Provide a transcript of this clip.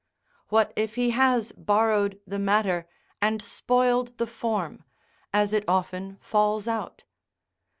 What if he has borrowed the matter and spoiled the form, as it often falls out?